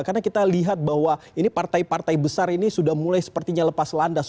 karena kita lihat bahwa ini partai partai besar ini sudah mulai sepertinya lepas landas